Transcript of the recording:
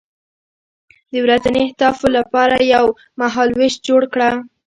د ورځني اهدافو لپاره یو مهالویش جوړ کړه.